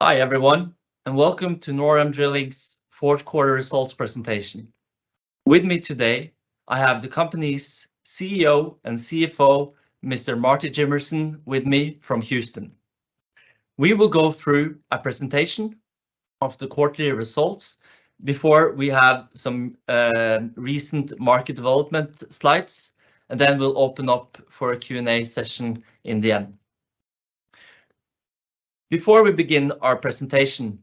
Hi everyone, welcome to NorAm Drilling's fourth quarter results presentation. With me today, I have the company's CEO and CFO, Mr. Marty Jimmerson, with me from Houston. We will go through a presentation of the quarterly results before we have some recent market development slides. Then we'll open up for a Q&A session in the end. Before we begin our presentation,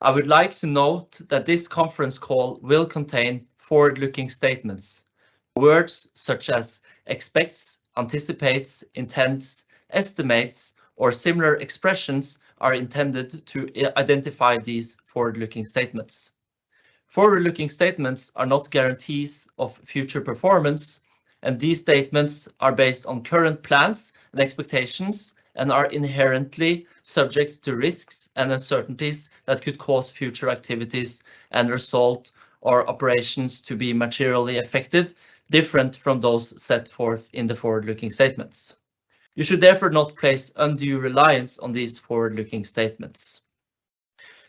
I would like to note that this conference call will contain forward-looking statements. Words such as expects, anticipates, intends, estimates, or similar expressions are intended to identify these forward-looking statements. Forward-looking statements are not guarantees of future performance. These statements are based on current plans and expectations and are inherently subject to risks and uncertainties that could cause future activities and result or operations to be materially affected, different from those set forth in the forward-looking statements. You should therefore not place undue reliance on these forward-looking statements.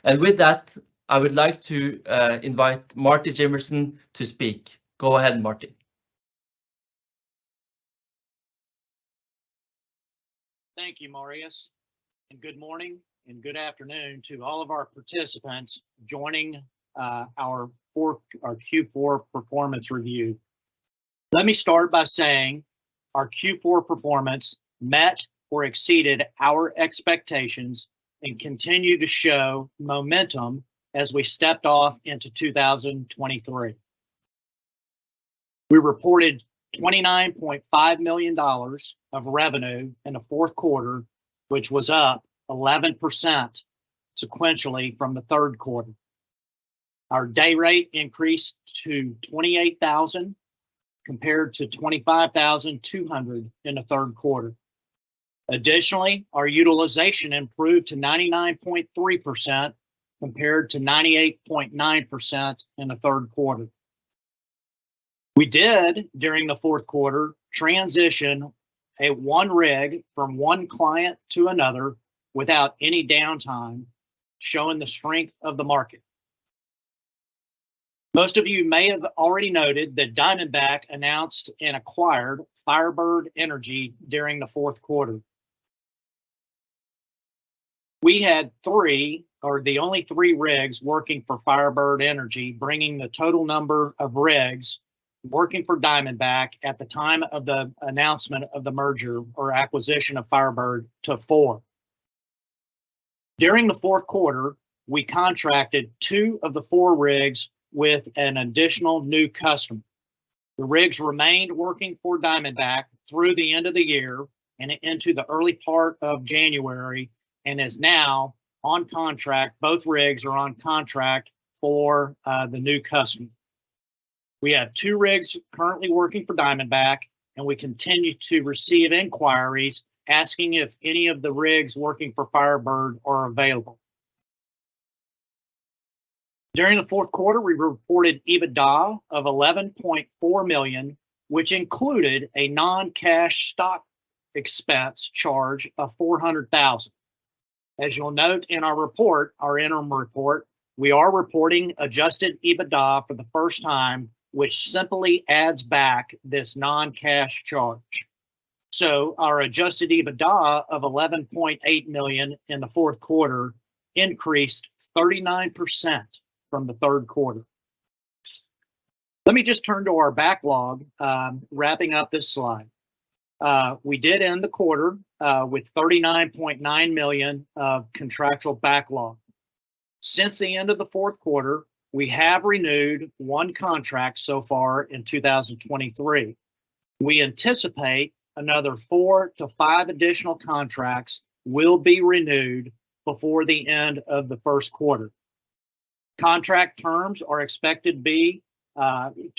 With that, I would like to invite Marty Jimmerson to speak. Go ahead, Marty. Thank you, Marius, and good morning and good afternoon to all of our participants joining our Q4 performance review. Let me start by saying our Q4 performance met or exceeded our expectations and continued to show momentum as we stepped off into 2023. We reported $29.5 million of revenue in the fourth quarter, which was up 11% sequentially from the third quarter. Our day rate increased to $28,000 compared to $25,200 in the third quarter. Additionally, our utilization improved to 99.3% compared to 98.9% in the third quarter. We did, during the fourth quarter, transition a one rig from one client to another without any downtime, showing the strength of the market. Most of you may have already noted that Diamondback announced and acquired Firebird Energy during the fourth quarter. We had three, or the only three rigs working for Firebird Energy, bringing the total number of rigs working for Diamondback at the time of the announcement of the merger or acquisition of Firebird to four. During the fourth quarter, we contracted two of the four rigs with an additional new customer. The rigs remained working for Diamondback through the end of the year and into the early part of January and is now on contract. Both rigs are on contract for the new customer. We have two rigs currently working for Diamondback, and we continue to receive inquiries asking if any of the rigs working for Firebird are available. During the fourth quarter, we reported EBITDA of $11.4 million, which included a non-cash stock expense charge of $400,000. As you'll note in our report, our interim report, we are reporting adjusted EBITDA for the first time, which simply adds back this non-cash charge. Our adjusted EBITDA of $11.8 million in the fourth quarter increased 39% from the third quarter. Let me just turn to our backlog, wrapping up this slide. We did end the quarter with $39.9 million of contractual backlog. Since the end of the fourth quarter, we have renewed one contract so far in 2023. We anticipate another four to five additional contracts will be renewed before the end of the first quarter. Contract terms are expected to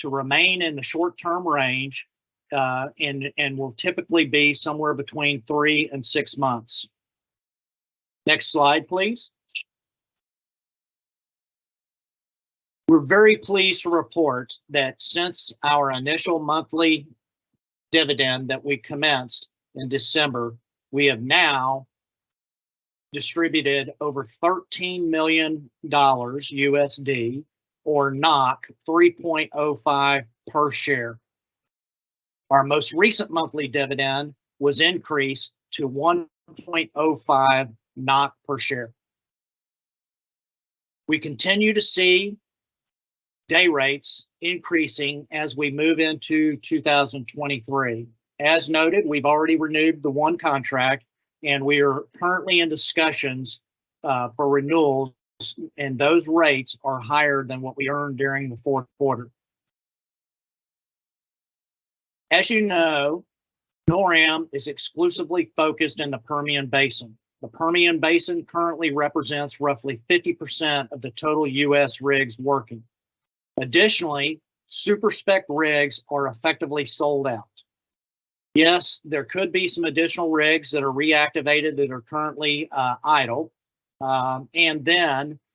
remain in the short-term range and will typically be somewhere between three and six months. Next slide, please. We're very pleased to report that since our initial monthly dividend that we commenced in December, we have now distributed over $13 million or 3.05 per share. Our most recent monthly dividend was increased to 1.05 per share. We continue to see day rates increasing as we move into 2023. As noted, we've already renewed the one contract, and we are currently in discussions for renewals, and those rates are higher than what we earned during the fourth quarter. As you know, NorAm is exclusively focused in the Permian Basin. The Permian Basin currently represents roughly 50% of the total U.S. rigs working. Additionally, Super Spec rigs are effectively sold out. Yes, there could be some additional rigs that are reactivated that are currently idle.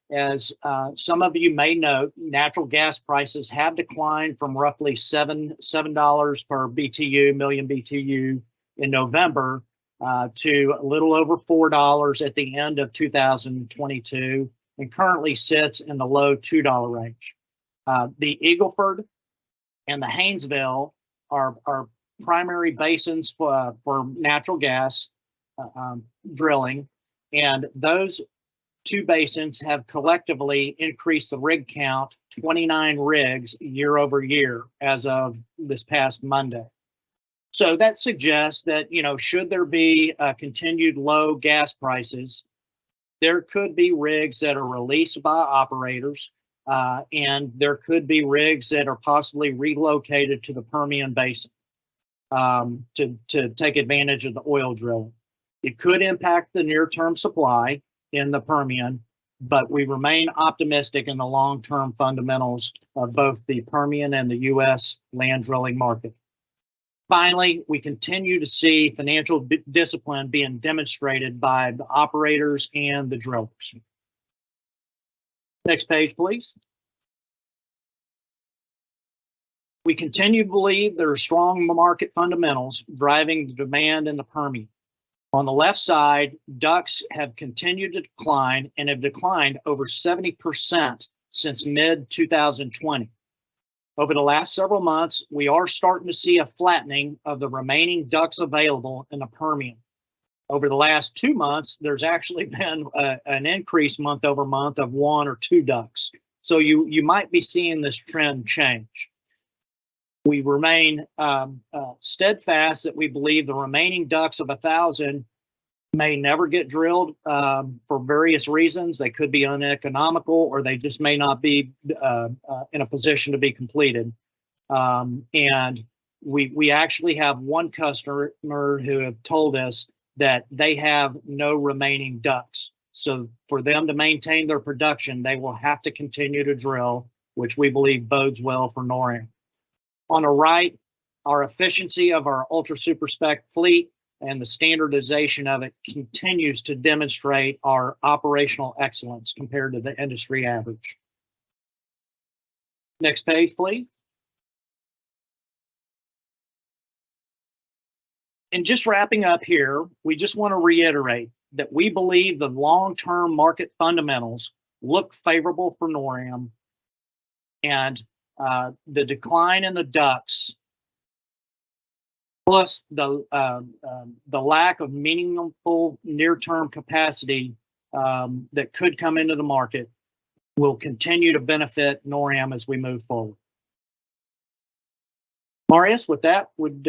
As some of you may know, natural gas prices have declined from roughly $7 per BTU, million BTU in November, to a little over $4 at the end of 2022, and currently sits in the low $2 range. The Eagle Ford and the Haynesville are primary basins for natural gas drilling, and those two basins have collectively increased the rig count 29 rigs year-over-year as of this past Monday. That suggests that, you know, should there be continued low gas prices, there could be rigs that are released by operators, and there could be rigs that are possibly relocated to the Permian Basin to take advantage of the oil drilling. It could impact the near term supply in the Permian, but we remain optimistic in the long-term fundamentals of both the Permian and the U.S. land drilling market. We continue to see financial discipline being demonstrated by the operators and the drillers. Next page, please. We continue to believe there are strong market fundamentals driving the demand in the Permian. On the left side, DUCs have continued to decline and have declined over 70% since mid-2020. Over the last several months, we are starting to see a flattening of the remaining DUCs available in the Permian. Over the last two months, there's actually been an increase month-over-month of one or two DUCs. You might be seeing this trend change. We remain steadfast that we believe the remaining DUCs of 1,000 may never get drilled for various reasons. They could be uneconomical, or they just may not be in a position to be completed. We actually have one customer who have told us that they have no remaining DUCs. For them to maintain their production, they will have to continue to drill, which we believe bodes well for NorAm. On the right, our efficiency of our Ultra Super Spec fleet and the standardization of it continues to demonstrate our operational excellence compared to the industry average. Next page, please. Just wrapping up here, we just wanna reiterate that we believe the long-term market fundamentals look favorable for NorAm, and the decline in the DUCs, plus the lack of meaningful near-term capacity that could come into the market will continue to benefit NorAm as we move forward. Marius, with that, would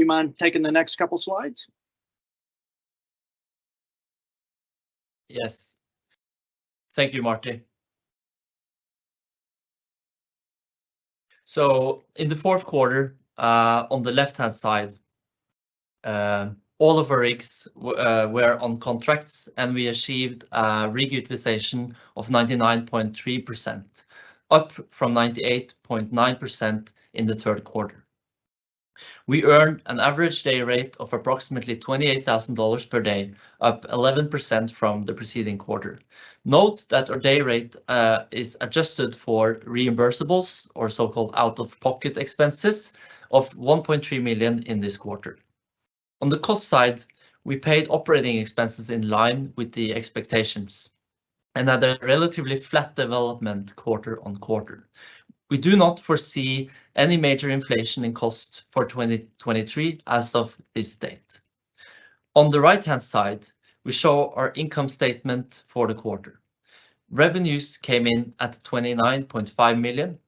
you mind taking the next couple slides? Yes. Thank you, Marty. In the fourth quarter, on the left-hand side, all of our rigs were on contracts, and we achieved a rig utilization of 99.3%, up from 98.9% in the third quarter. We earned an average day rate of approximately $28,000 per day, up 11% from the preceding quarter. Note that our day rate is adjusted for reimbursables or so-called out-of-pocket expenses of $1.3 million in this quarter. On the cost side, we paid operating expenses in line with the expectations, another relatively flat development quarter-on-quarter. We do not foresee any major inflation in costs for 2023 as of this date. On the right-hand side, we show our income statement for the quarter. Revenues came in at $29.5 million.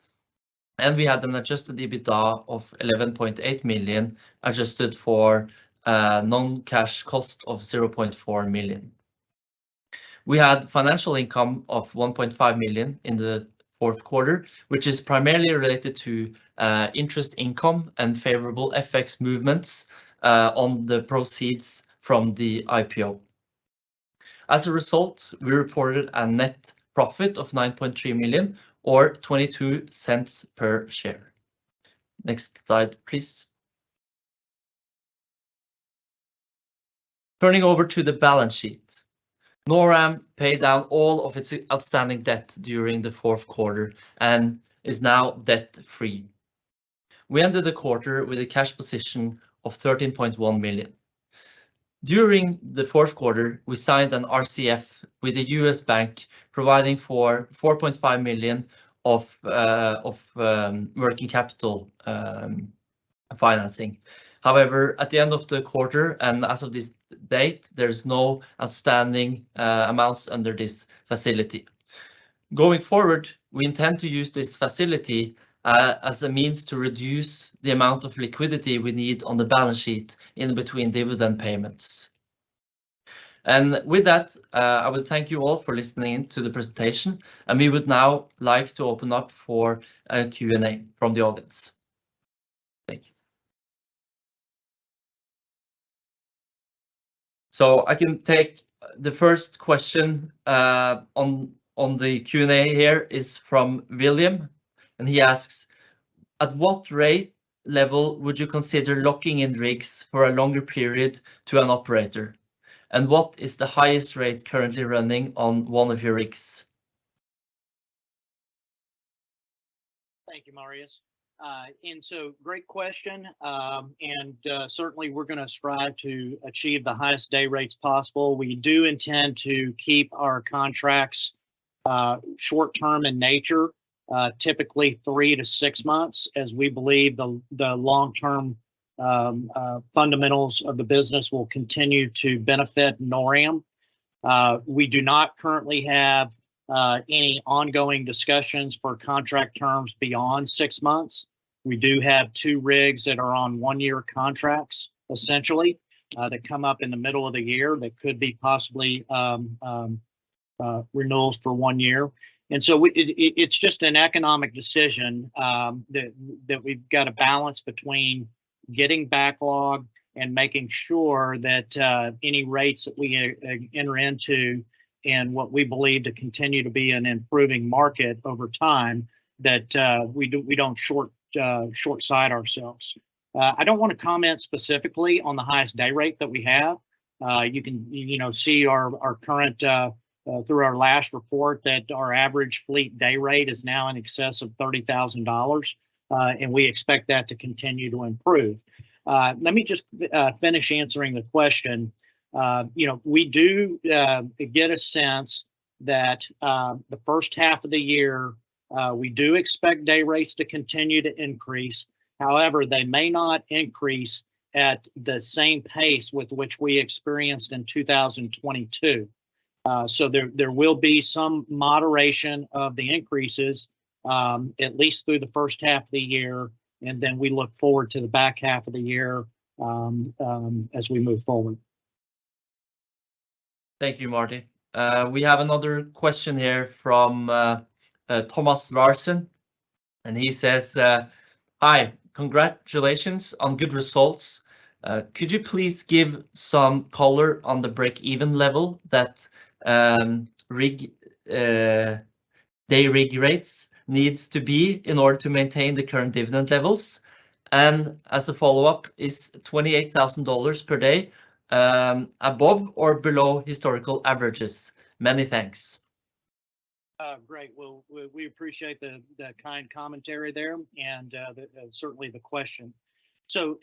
We had an adjusted EBITDA of $11.8 million, adjusted for non-cash cost of $0.4 million. We had financial income of $1.5 million in the fourth quarter, which is primarily related to interest income and favorable FX movements on the proceeds from the IPO. As a result, we reported a net profit of $9.3 million or $0.22 per share. Next slide, please. Turning over to the balance sheet, NorAm paid down all of its outstanding debt during the fourth quarter and is now debt-free. We ended the quarter with a cash position of $13.1 million. During the fourth quarter, we signed an RCF with a U.S. bank providing for $4.5 million of working capital financing. However, at the end of the quarter and as of this date, there's no outstanding amounts under this facility. Going forward, we intend to use this facility as a means to reduce the amount of liquidity we need on the balance sheet in between dividend payments. With that, I will thank you all for listening to the presentation, and we would now like to open up for a Q&A from the audience. Thank you. I can take the first question on the Q&A here is from William. He asks, "At what rate level would you consider locking in rigs for a longer period to an operator? And what is the highest rate currently running on one of your rigs? Thank you, Marius. Great question. Certainly we're gonna strive to achieve the highest day rates possible. We do intend to keep our contracts, short-term in nature, typically three to six months, as we believe the long-term fundamentals of the business will continue to benefit NorAm. We do not currently have any ongoing discussions for contract terms beyond six months. We do have two rigs that are on one-year contracts, essentially, that come up in the middle of the year that could be possibly renewals for one year. It's just an economic decision that we've got to balance between getting backlog and making sure that any rates that we enter into in what we believe to continue to be an improving market over time, that we don't short side ourselves. I don't wanna comment specifically on the highest day rate that we have. You can, you know, see our current through our last report that our average fleet day rate is now in excess of $30,000. We expect that to continue to improve. Let me just finish answering the question. You know, we do get a sense that the first half of the year, we do expect day rates to continue to increase. However, they may not increase at the same pace with which we experienced in 2022. There will be some moderation of the increases, at least through the first half of the year. We look forward to the back half of the year, as we move forward. Thank you, Marty. We have another question here from Thomas Larson, and he says, "Hi, congratulations on good results. Could you please give some color on the break-even level that rig day rate needs to be in order to maintain the current dividend levels? As a follow-up, is $28,000 per day above or below historical averages? Many thanks. Great. Well, we appreciate the kind commentary there and the certainly the question.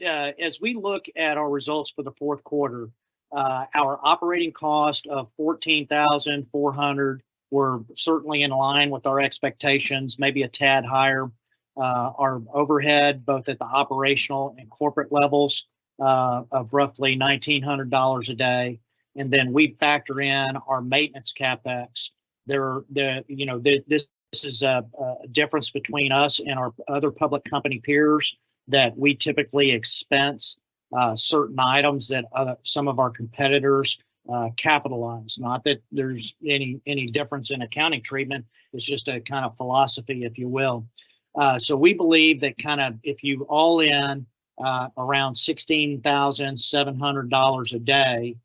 As we look at our results for the fourth quarter, our operating cost of $14,400 were certainly in line with our expectations, maybe a tad higher. Our overhead, both at the operational and corporate levels, of roughly $1,900 a day, and then we factor in our maintenance CapEx. There. You know, this is a difference between us and our other public company peers that we typically expense, certain items that other, some of our competitors, capitalize. Not that there's any difference in accounting treatment, it's just a kind of philosophy, if you will. We believe that kind of if you all in, around $16,700 a day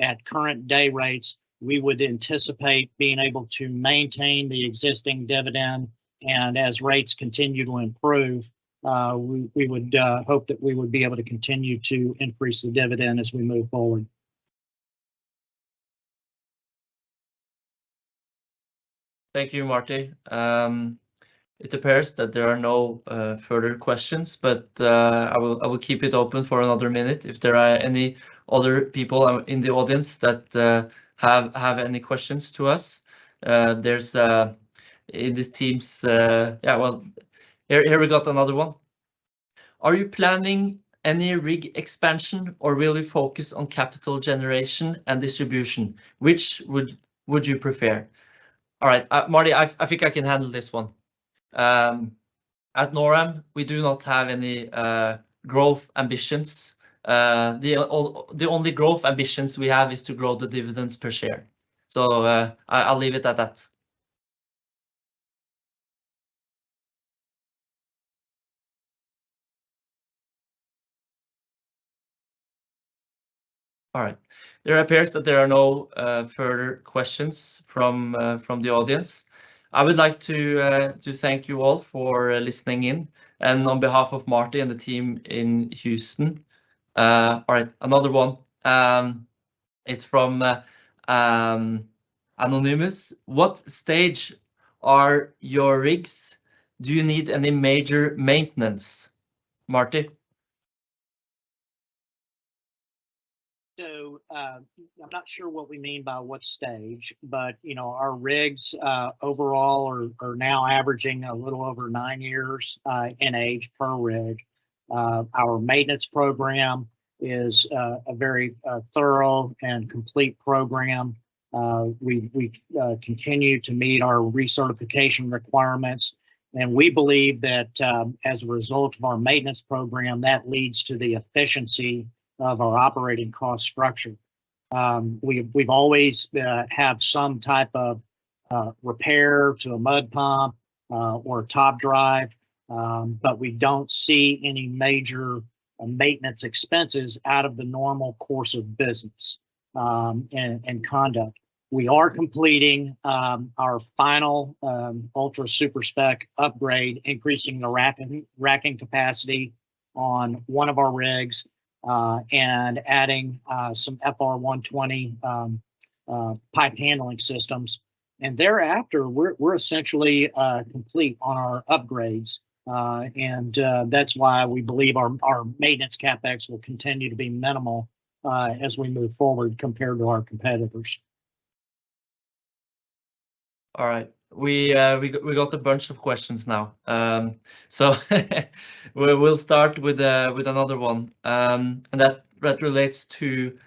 at current day rates, we would anticipate being able to maintain the existing dividend. As rates continue to improve, we would hope that we would be able to continue to increase the dividend as we move forward. Thank you, Marty. It appears that there are no further questions, I will keep it open for another minute if there are any other people out in the audience that have any questions to us. There's in this Teams. Yeah. Well, here we got another one. "Are you planning any rig expansion or really focus on capital generation and distribution? Which would you prefer?" All right, Marty, I think I can handle this one. At NorAm Drilling, we do not have any growth ambitions. The only growth ambitions we have is to grow the dividends per share. I'll leave it at that. All right. There appears that there are no further questions from the audience. I would like to thank you all for listening in. On behalf of Marty and the team in Houston. All right, another one. It's from anonymous. "What stage are your rigs? Do you need any major maintenance?" Marty? I'm not sure what we mean by what stage, but, you know, our rigs overall are now averaging a little over nine years in age per rig. Our maintenance program is a very thorough and complete program. We continue to meet our recertification requirements, and we believe that as a result of our maintenance program, that leads to the efficiency of our operating cost structure. We've always had some type of repair to a mud pump or top drive. We don't see any major maintenance expenses out of the normal course of business and conduct. We are completing our final Ultra Super Spec upgrade, increasing the racking capacity on one of our rigs, and adding some FR120 pipe handling systems. Thereafter we're essentially complete on our upgrades. That's why we believe our maintenance CapEx will continue to be minimal as we move forward compared to our competitors. All right. We got a bunch of questions now. We'll start with another one. That relates to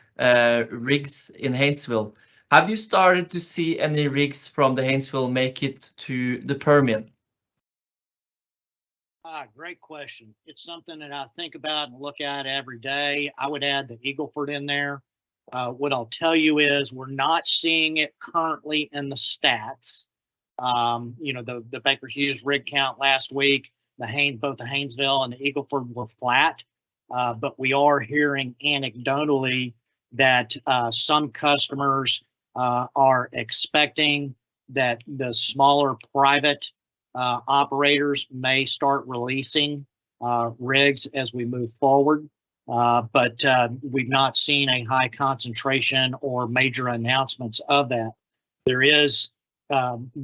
rigs in Haynesville. Have you started to see any rigs from the Haynesville make it to the Permian? Great question. It's something that I think about and look at every day. I would add the Eagle Ford in there. What I'll tell you is we're not seeing it currently in the stats. You know, the Baker Hughes rig count last week, both the Haynesville and the Eagle Ford were flat. We are hearing anecdotally that some customers are expecting that the smaller private operators may start releasing rigs as we move forward. We've not seen a high concentration or major announcements of that. There is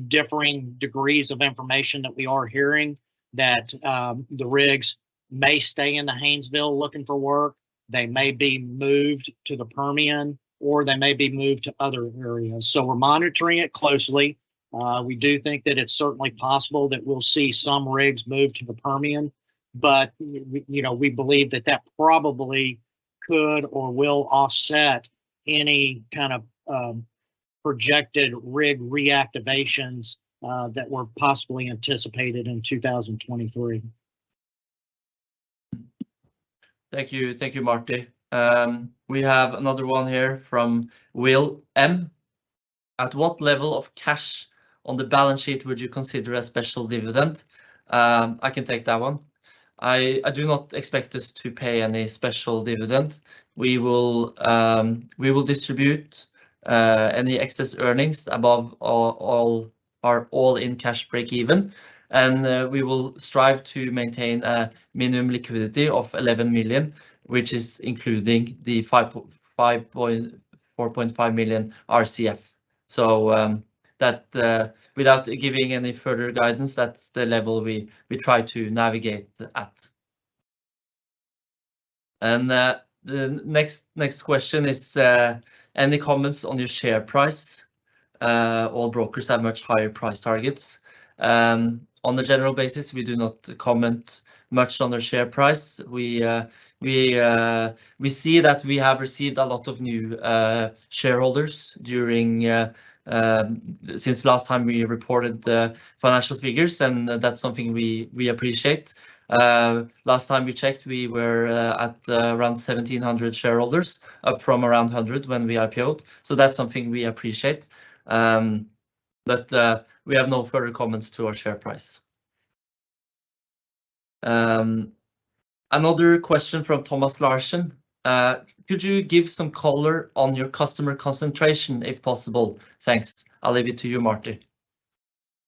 differing degrees of information that we are hearing that the rigs may stay in the Haynesville looking for work, they may be moved to the Permian, or they may be moved to other areas. We're monitoring it closely. We do think that it's certainly possible that we'll see some rigs move to the Permian, but we, you know, we believe that that probably could or will offset any kind of projected rig reactivations that were possibly anticipated in 2023. Thank you. Thank you, Marty. We have another one here from Will M. At what level of cash on the balance sheet would you consider a special dividend? I can take that one. I do not expect us to pay any special dividend. We will distribute any excess earnings above our all-in cash break-even. We will strive to maintain a minimum liquidity of $11 million, which is including the $4.5 million RCF. That, without giving any further guidance, that's the level we try to navigate at. The next question is any comments on your share price? All brokers have much higher price targets. On a general basis, we do not comment much on the share price. We see that we have received a lot of new shareholders during since last time we reported the financial figures, that's something we appreciate. Last time we checked, we were at around 1,700 shareholders, up from around 100 when we IPO'd, that's something we appreciate. We have no further comments to our share price. Another question from Thomas Larson. Could you give some color on your customer concentration if possible? Thanks. I'll leave it to you, Marty.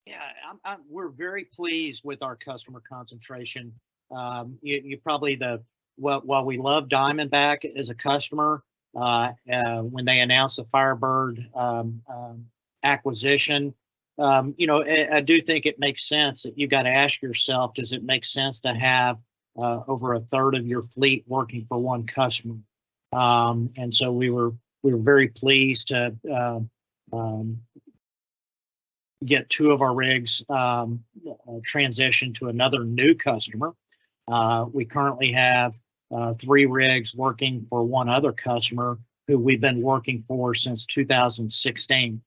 Yeah. We're very pleased with our customer concentration. While we love Diamondback as a customer, when they announced the Firebird acquisition, you know, I do think it makes sense that you've gotta ask yourself, does it make sense to have over a third of your fleet working for one customer? We were very pleased to get two of our rigs transition to another new customer. We currently have three rigs working for one other customer who we've been working for since 2016.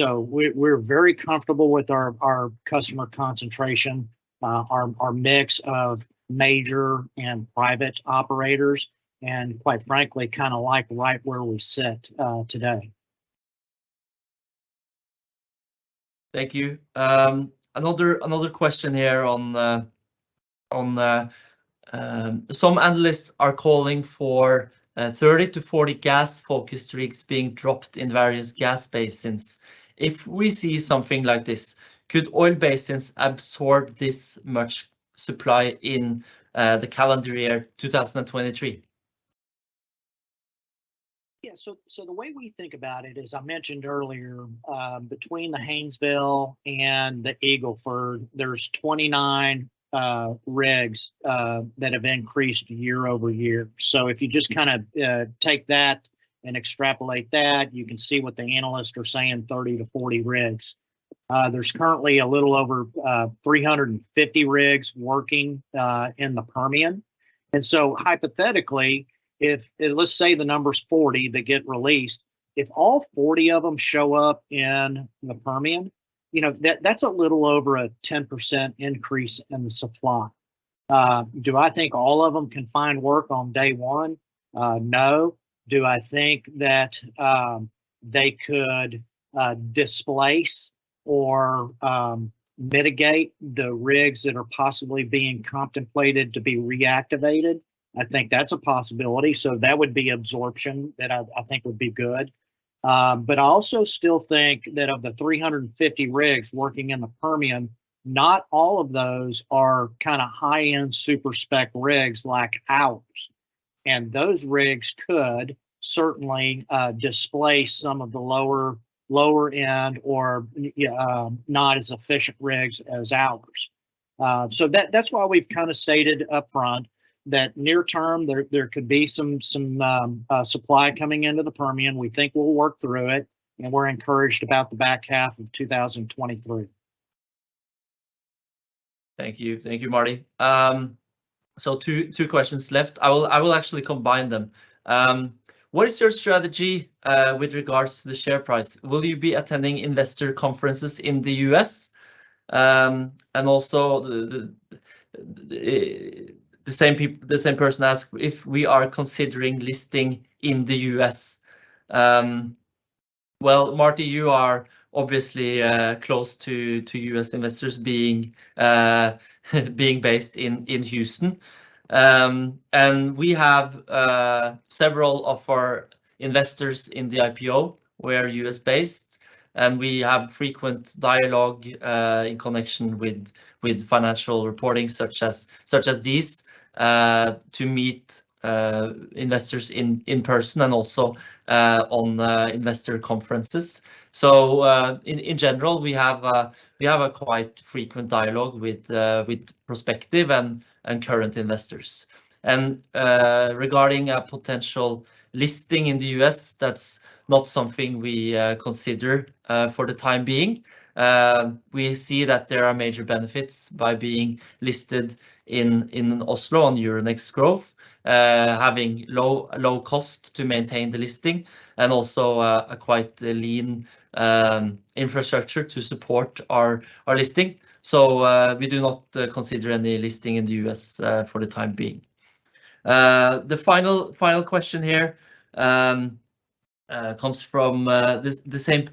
We're very comfortable with our customer concentration, our mix of major and private operators, and quite frankly, kinda like right where we sit today. Thank you. another question here on the, some analysts are calling for, 30-40 gas-focused rigs being dropped in various gas basins. If we see something like this, could oil basins absorb this much supply in, the calendar year 2023? The way we think about it, as I mentioned earlier, between the Haynesville and the Eagle Ford, there's 29 rigs that have increased year-over-year. If you just kinda take that and extrapolate that, you can see what the analysts are saying, 30-40 rigs. There's currently a little over 350 rigs working in the Permian. Hypothetically, if let's say the number's 40 that get released, if all 40 of them show up in the Permian, you know, that's a little over a 10% increase in the supply. Do I think all of them can find work on day one? No. Do I think that they could displace or mitigate the rigs that are possibly being contemplated to be reactivated? I think that's a possibility. That would be absorption that I think would be good. I also still think that of the 350 rigs working in the Permian, not all of those are kinda high-end, Super Spec rigs like ours, and those rigs could certainly displace some of the lower end or, yeah, not as efficient rigs as ours. That's why we've kinda stated upfront that near term there could be some supply coming into the Permian. We think we'll work through it, and we're encouraged about the back half of 2023. Thank you. Thank you, Marty. Two questions left. I will actually combine them. What is your strategy with regards to the share price? Will you be attending investor conferences in the U.S.? The same person ask if we are considering listing in the U.S. Well, Marty, you are obviously close to U.S. investors being based in Houston. We have several of our investors in the IPO who are U.S.-based, and we have frequent dialogue in connection with financial reporting such as this to meet investors in person and also on investor conferences. In general, we have a quite frequent dialogue with prospective and current investors. Regarding a potential listing in the U.S., that's not something we consider for the time being. We see that there are major benefits by being listed in Oslo on Euronext Growth, having low cost to maintain the listing and also a quite lean infrastructure to support our listing. We do not consider any listing in the U.S. for the time being. The final question here comes from the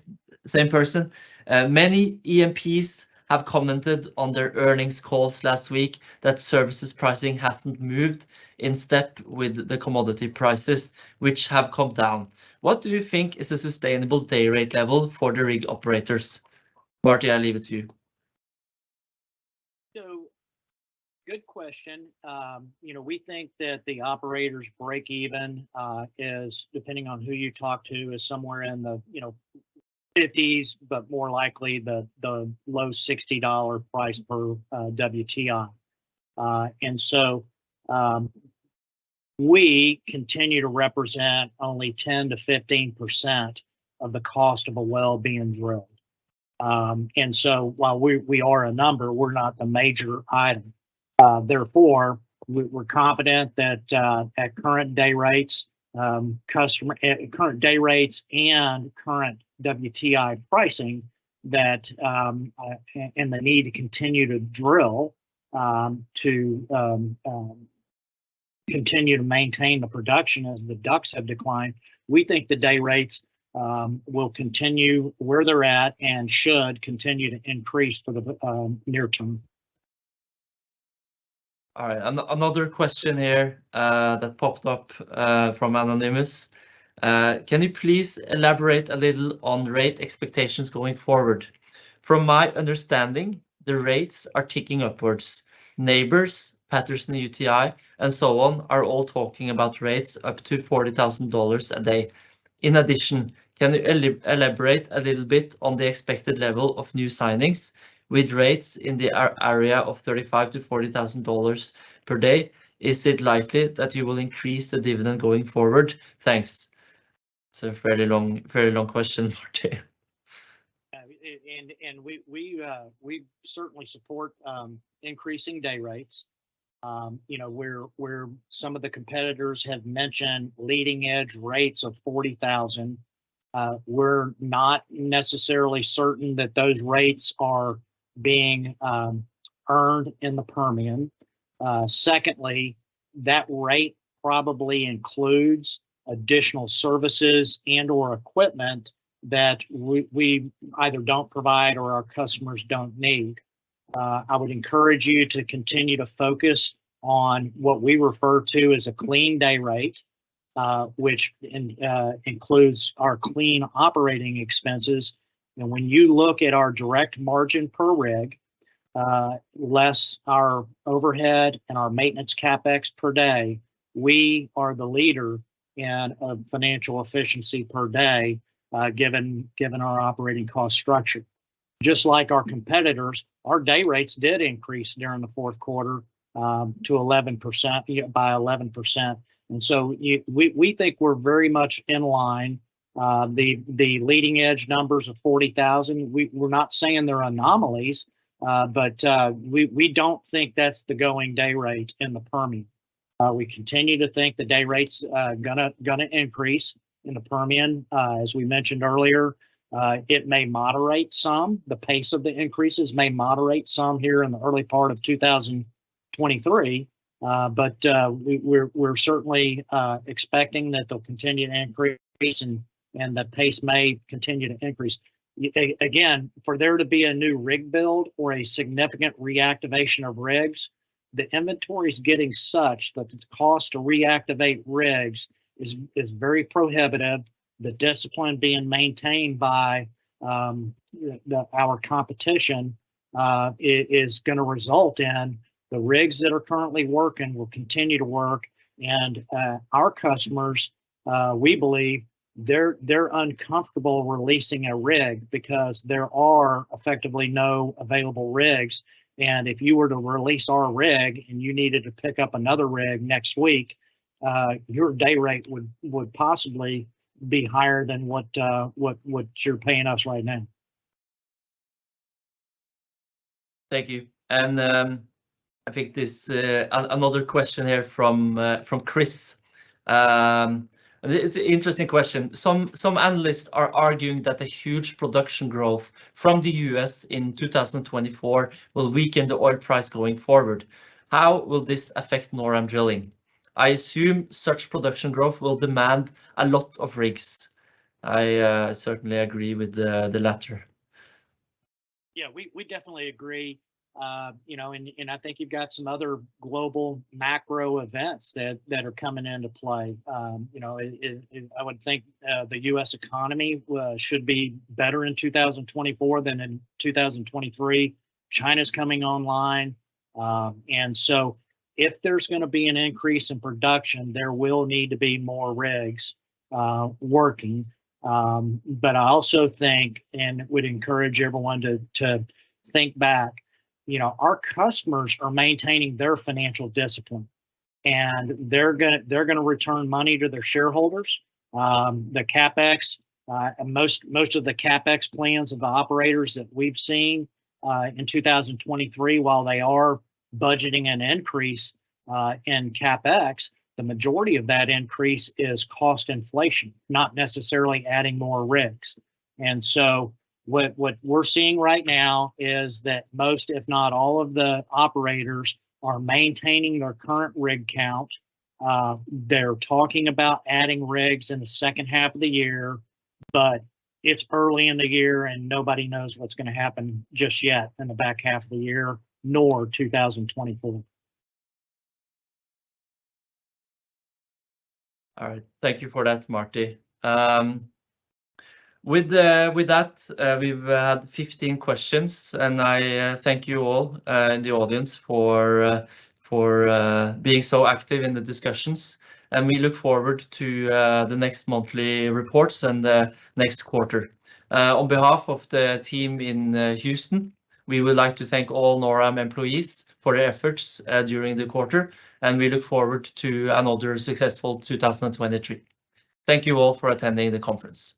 same person. Many E&Ps have commented on their earnings calls last week that services pricing hasn't moved in step with the commodity prices which have come down. What do you think is a sustainable day rate level for the rig operators? Marty, I leave it to you. Good question. You know, we think that the operators' break-even, is, depending on who you talk to, is somewhere in the, you know, 50s, but more likely the low $60 price per WTI. We continue to represent only 10%-15% of the cost of a well being drilled. While we are a number, we're not the major item. Therefore, we're confident that, at current day rates and current WTI pricing that the need to continue to drill to continue to maintain the production as the DUCs have declined, we think the day rates will continue where they're at and should continue to increase for the near term. All right, another question here that popped up from anonymous. Can you please elaborate a little on rate expectations going forward? From my understanding, the rates are ticking upwards. Nabors, Patterson-UTI, and so on are all talking about rates up to $40,000 a day. In addition, can you elaborate a little bit on the expected level of new signings with rates in the area of $35,000-$40,000 per day? Is it likely that you will increase the dividend going forward? Thanks. It's a very long question, Marty. Yeah, we certainly support increasing day rates. You know, where some of the competitors have mentioned leading edge rates of $40,000, we're not necessarily certain that those rates are being earned in the Permian. Secondly, that rate probably includes additional services and/or equipment that we either don't provide or our customers don't need. I would encourage you to continue to focus on what we refer to as a clean day rate, which includes our clean operating expenses. You know, when you look at our direct margin per rig, less our overhead and our maintenance CapEx per day, we are the leader in financial efficiency per day, given our operating cost structure. Just like our competitors, our day rates did increase during the fourth quarter, to 11%, by 11%. We think we're very much in line. The leading edge numbers of $40,000, we're not saying they're anomalies, but we don't think that's the going day rate in the Permian. We continue to think the day rate's gonna increase in the Permian. As we mentioned earlier, it may moderate some. The pace of the increases may moderate some here in the early part of 2023. We're certainly expecting that they'll continue to increase and the pace may continue to increase. Again, for there to be a new rig build or a significant reactivation of rigs, the inventory's getting such that the cost to reactivate rigs is very prohibitive. The discipline being maintained by the. our competition is gonna result in the rigs that are currently working will continue to work. Our customers, we believe they're uncomfortable releasing a rig because there are effectively no available rigs. If you were to release our rig, and you needed to pick up another rig next week, your day rate would possibly be higher than what you're paying us right now. Thank you. I think there's another question here from Chris. It's an interesting question. Some analysts are arguing that the huge production growth from the U.S. in 2024 will weaken the oil price going forward. How will this affect NorAm Drilling? I assume such production growth will demand a lot of rigs. I certainly agree with the latter. Yeah. We definitely agree. You know, and I think you've got some other global macro events that are coming into play. You know, I would think the U.S. economy should be better in 2024 than in 2023. China's coming online. If there's gonna be an increase in production, there will need to be more rigs working. I also think, and would encourage everyone to think back, you know, our customers are maintaining their financial discipline, and they're gonna return money to their shareholders. The CapEx, and most of the CapEx plans of the operators that we've seen in 2023, while they are budgeting an increase in CapEx, the majority of that increase is cost inflation, not necessarily adding more rigs. What we're seeing right now is that most, if not all, of the operators are maintaining their current rig count. They're talking about adding rigs in the second half of the year, but it's early in the year, and nobody knows what's gonna happen just yet in the back half of the year, nor 2024. All right. Thank you for that, Marty. With that, we've 15 questions. I thank you all in the audience for being so active in the discussions. We look forward to the next monthly reports and the next quarter. On behalf of the team in Houston, we would like to thank all NorAm employees for their efforts during the quarter, and we look forward to another successful 2023. Thank you all for attending the conference.